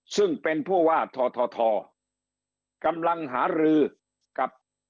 ซึ่งเป็นผู้ว่าททกำลังหารือกับ